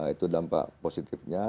itu dampak positifnya